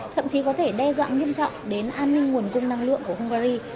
thậm chí có thể đe dọa nghiêm trọng đến an ninh nguồn cung năng lượng của hungary